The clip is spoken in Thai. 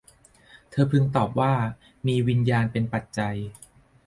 เธอพึงตอบว่า มีวิญญาณเป็นปัจจัย